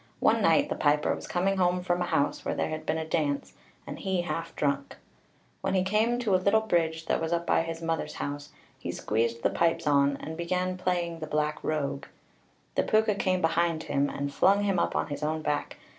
One night the piper was coming home from a house where there had been a dance, and he half drunk. When he came to a little bridge that was up by his mother's house, he squeezed the pipes on, and began playing the "Black Rogue" (an rógaire dubh). The Púca came behind him, and flung him up on his own back.